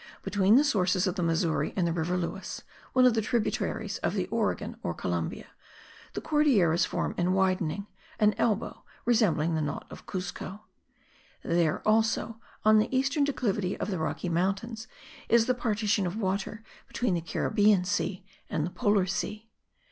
Between the sources of the Missouri and the River Lewis, one of the tributaries of the Oregon or Columbia, the Cordilleras form in widening, an elbow resembling the knot of Cuzco. There, also, on the eastern declivity of the Rocky Mountains, is the partition of water between the Caribbean Sea and the Polar Sea.